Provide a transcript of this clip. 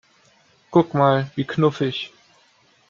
Guck mal, wie knuffig!